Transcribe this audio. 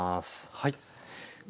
はい。